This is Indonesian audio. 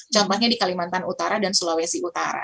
contohnya di kalimantan utara dan sulawesi utara